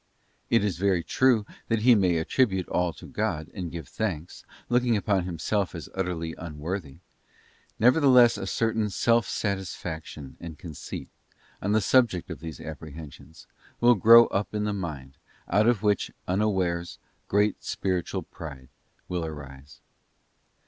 It is very true that he may attribute all to God and give thanks, looking upon himself as utterly unworthy; nevertheless a certain secret self satis faction and conceit, on the subject of these Apprehensions, will grow up in the mind, out of which, unawares, great spiritual pride will arise..